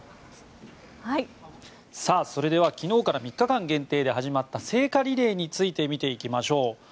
それでは昨日から３日間限定で始まった聖火リレーについて見ていきましょう。